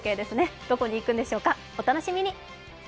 どこに行くんでしょうか、お楽しみに。